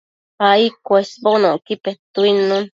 ai cuesbonocqui petuidnun